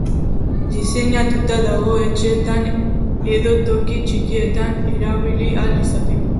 Diseinatuta dago etxeetan edo toki txikietan erabili ahal izateko.